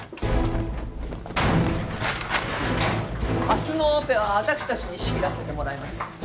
明日のオペは私たちに仕切らせてもらいます。